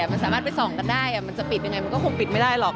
มันสามารถไปส่องกันได้มันจะปิดยังไงมันก็คงปิดไม่ได้หรอก